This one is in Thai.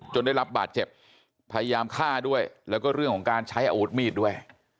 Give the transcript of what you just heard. ได้รับบาดเจ็บพยายามฆ่าด้วยแล้วก็เรื่องของการใช้อาวุธมีดด้วย